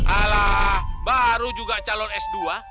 alah baru juga calon s dua